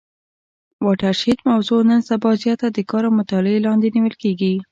واټر شید موضوع نن سبا زیاته د کار او مطالعې لاندي نیول کیږي.